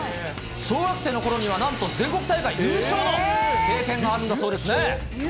小学生のころには、なんと全国大会優勝の経験があるんだそうですね。